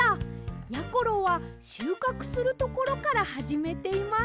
やころはしゅうかくするところからはじめています。